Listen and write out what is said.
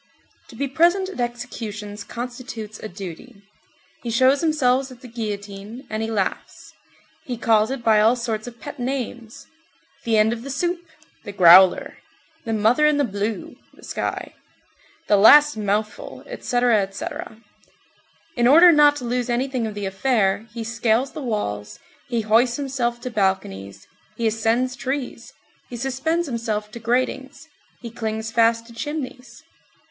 To be present at executions constitutes a duty. He shows himself at the guillotine, and he laughs. He calls it by all sorts of pet names: The End of the Soup, The Growler, The Mother in the Blue (the sky), The Last Mouthful, etc., etc. In order not to lose anything of the affair, he scales the walls, he hoists himself to balconies, he ascends trees, he suspends himself to gratings, he clings fast to chimneys.